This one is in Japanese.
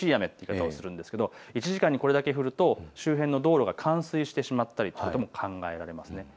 １時間にこれだけ降ると周辺の道路が冠水してしまったりということも考えられます。